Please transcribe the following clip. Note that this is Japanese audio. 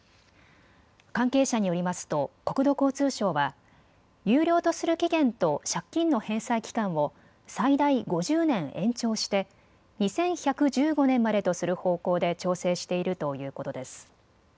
関係者によりますと国土交通省は有料とする期限と借金の返済期間を最大５０年延長して２１１５年までとする方向で調整しているということです。